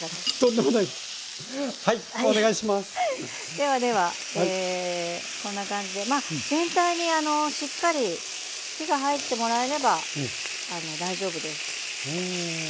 ではではえこんな感じでまあ全体にしっかり火が入ってもらえれば大丈夫です。